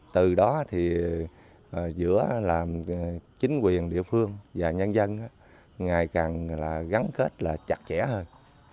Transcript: từ đó thì giữa chính quyền địa phương và nhân dân ngày càng gắn kết chặt chẽ hơn